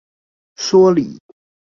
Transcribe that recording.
說理